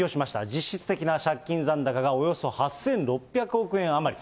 実質的な借金残高がおよそ８６００億円余り。